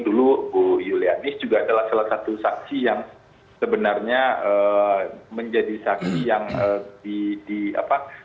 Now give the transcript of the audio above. dulu ibu iulianis juga adalah salah satu saksi yang sebenarnya menjadi saksi yang berlaku